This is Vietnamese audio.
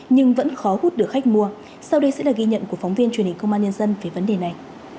nhưng vẫn khó hút được khách mua sau đây sẽ là ghi nhận của phóng viên truyền hình công an nhân dân về vấn đề này